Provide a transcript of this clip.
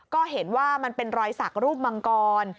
ก็เห็นว่ามันเป็นรอยสักรูปมังกร